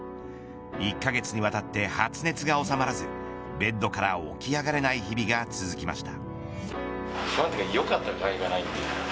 １カ月にわたって発熱が収まらずベッドから起き上がれない日々が続きました。